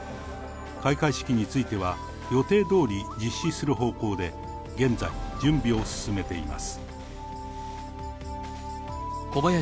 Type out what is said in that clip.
開会式については、予定どおり実施する方向で、現在、準備を進めています。